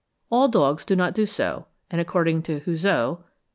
All dogs do not do so; and, according to Houzeau (21.